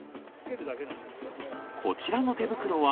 こちらの手袋は